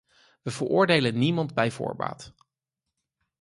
Wij veroordelen niemand bij voorbaat.